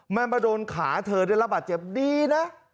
มันมาโดนขาเธอได้รับบาดเจ็บดีนะ